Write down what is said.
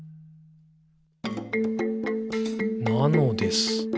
「なのです。」